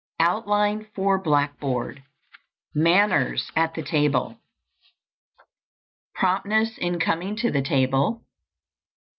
OUTLINE FOR BLACKBOARD. MANNERS AT THE TABLE. _Promptness in coming to the table.